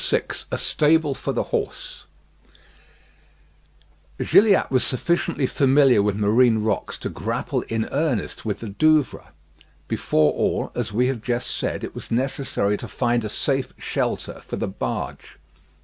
VI A STABLE FOR THE HORSE Gilliatt was sufficiently familiar with marine rocks to grapple in earnest with the Douvres. Before all, as we have just said, it was necessary to find a safe shelter for the barge.